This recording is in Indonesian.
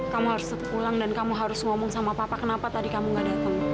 kamu harus pulang dan kamu harus ngomong sama papa kenapa tadi kamu gak datang